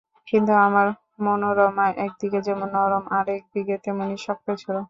কিন্তু আমার মনোরমা এক দিকে যেমন নরম আর-এক দিকে তেমনি শক্ত ছিল।